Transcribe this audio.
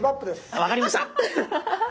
分かりました。